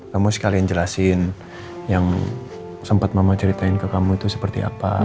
kamu sekalian jelasin yang sempat mama ceritain ke kamu itu seperti apa